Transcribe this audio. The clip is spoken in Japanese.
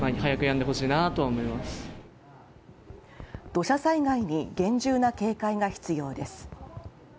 土砂災害に厳重な警戒が必要です。